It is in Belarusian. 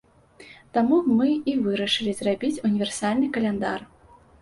Таму мы і вырашылі зрабіць універсальны каляндар.